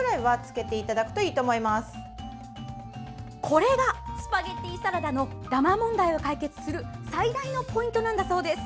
これがスパゲッティサラダのダマ問題を解決する最大のポイントなんだそうです。